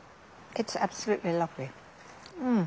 うん！